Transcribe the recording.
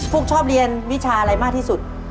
พวกชอบเรียนวิชาอะไรมากที่สุด